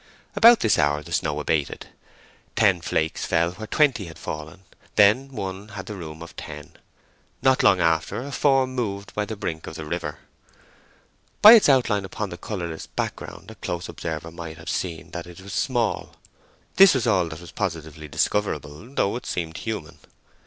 About this hour the snow abated: ten flakes fell where twenty had fallen, then one had the room of ten. Not long after a form moved by the brink of the river. By its outline upon the colourless background, a close observer might have seen that it was small. This was all that was positively discoverable, though it seemed human.